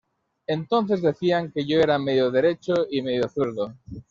Entonces decían que yo era ‘medio derecho’ y ‘medio zurdo’.